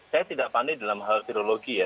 saya tidak pandai dalam hal virologi ya